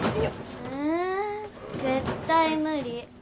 え絶対無理。